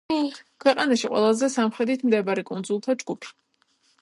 ქვეყანაში ყველაზე სამხრეთით მდებარე კუნძულთა ჯგუფი.